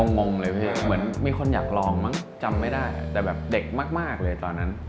งงเลยพี่เหมือนมีคนอยากลองมั้งจำไม่ได้แต่แบบเด็กมากเลยตอนนั้น